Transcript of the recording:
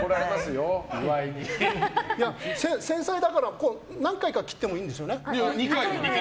いや、繊細だから何回か切ってもいいんですよね？